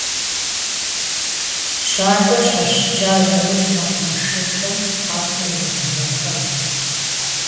Щакӏуэр щхьэщыкӏа нэужь, мэкъумэшыщӏэм къэпыр иригъэувэхащ.